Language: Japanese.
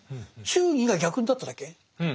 忠義が逆になっただけ。